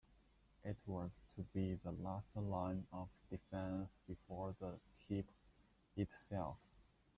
It was to be the last line of defense before the keep itself.